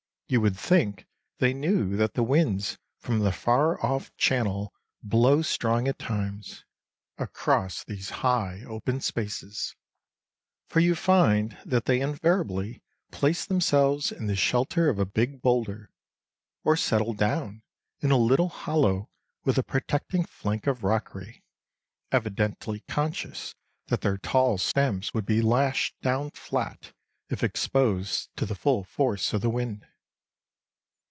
You would think they knew that the winds from the far off Channel blow strong at times, across these high open spaces; for you find that they invariably place themselves in the shelter of a big boulder, or settle down in a little hollow with a protecting flank of rockery, evidently conscious that their tall stems would be lashed down flat if exposed to the full force of the wind.